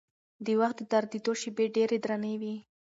د وخت د درېدو شېبې ډېرې درنې وي.